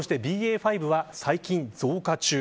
ＢＡ．５は最近、増加中。